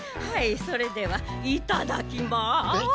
はいそれではいただきます。